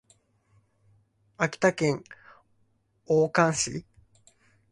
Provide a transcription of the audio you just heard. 秋田県大館市